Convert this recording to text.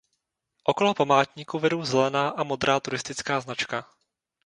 Okolo památníku vedou zelená a modrá turistická značka.